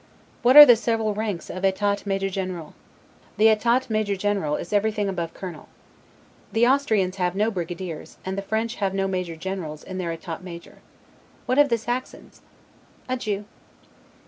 What are the several ranks of the 'Etat Major general'? N. B. The Etat Major general is everything above colonel. The Austrians have no brigadiers, and the French have no major generals in their Etat Major. What have the Saxons? Adieu!